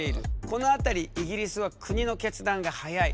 この辺りイギリスは国の決断が早い。